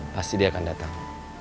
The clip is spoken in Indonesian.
pasti dia akan datang